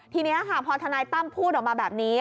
ทีนี้พอธนาธิ์ตั้มพูดออกมาแบบนี้